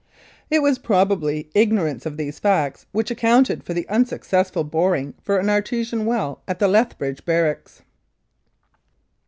It was probably ignorance of these facts which accounted for the unsuccessful boring for an artesian well at the Lethbridge barracks.